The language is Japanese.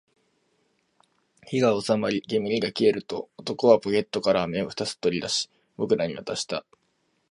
火が収まり、煙が消えると、男はポケットから飴を二つ取り出し、僕らに渡した